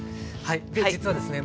で実はですね